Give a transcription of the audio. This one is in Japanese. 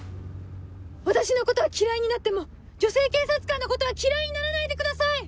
私のことは嫌いになっても女性警察官のことは嫌いにならないでください！